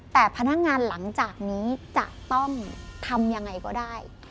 แต่พนักงานหลังจากนี้จะต้องทำยังไงก็ได้